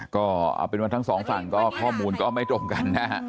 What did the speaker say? ก็เอาเป็นว่าทั้งสองฝั่งก็ข้อมูลก็ไม่ตรงกันนะฮะ